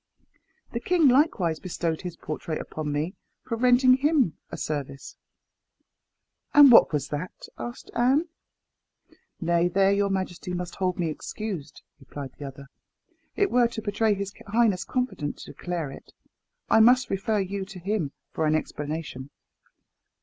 The king likewise bestowed his portrait upon me for rendering him a service." "And what was that?" asked Anne. "Nay, there your majesty must hold me excused," replied the other. "It were to betray his highness's confidence to declare it. I must refer you to him for explanation."